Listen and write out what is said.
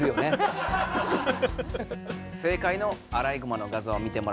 正解のアライグマの画像を見てもらいましょう。